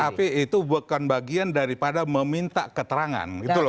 tapi itu bukan bagian daripada meminta keterangan gitu loh